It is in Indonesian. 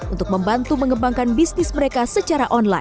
untuk membantu mengembangkan bisnis mereka